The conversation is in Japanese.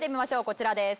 こちらです。